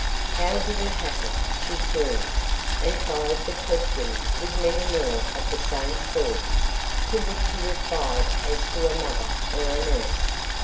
"How did it happen?" she crooned, and followed the question with many more of the same sort; to which he replied as to a mother or a nurse.